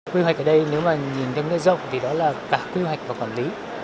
quy hoạch ở đây nếu mà nhìn theo ngay rộng thì đó là cả quy hoạch và quản lý